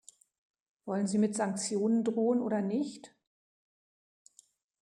Wollen Sie mit Sanktionen drohen oder nicht?